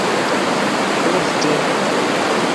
ofte